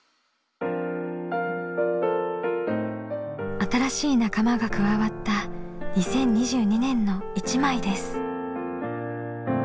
新しい仲間が加わった２０２２年の１枚です。